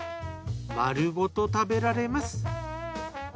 丸ごと食べられます。